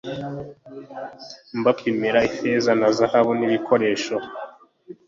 mbapimira ifeza na zahabu n ibikoresho